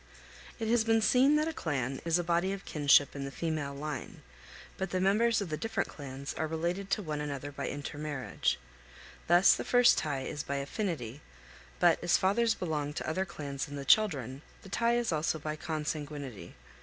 It has been seen that a clan is a body of kinship in the female line; but the members of the different clans are related to one another by intermarriage. Thus the first tie is by affinity; but, as fathers belong to other clans than the children, the tie is also by consanguinity.